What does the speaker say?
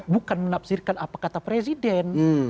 bukan menafsirkan apa kata presiden